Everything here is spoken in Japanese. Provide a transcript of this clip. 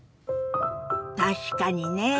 確かにね。